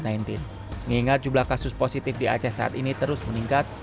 mengingat jumlah kasus positif di aceh saat ini terus meningkat